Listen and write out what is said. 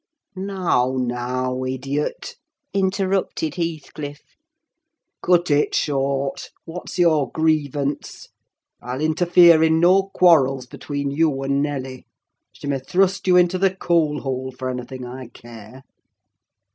"Now, now, idiot!" interrupted Heathcliff, "cut it short! What's your grievance? I'll interfere in no quarrels between you and Nelly. She may thrust you into the coal hole for anything I care."